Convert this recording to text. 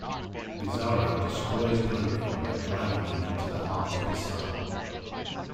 Bizarro destroys Grundy by driving him into the heart of the Sun.